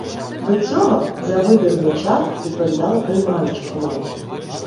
До цього за вибір м'яча відповідала приймаюча команда.